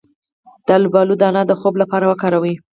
د الوبالو دانه د خوب لپاره وکاروئ